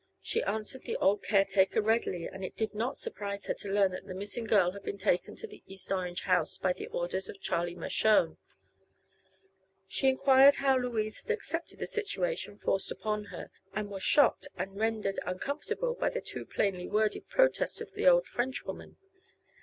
She answered the old caretaker readily and it did not surprise her to learn that the missing girl had been taken to the East Orange house by the orders of Charlie Mershone. She enquired how Louise had accepted the situation forced upon her, and was shocked and rendered uncomfortable by the too plainly worded protest of the old Frenchwoman.